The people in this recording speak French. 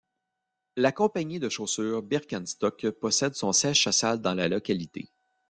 La compagnie de chaussure Birkenstock possède son siège social dans la localité.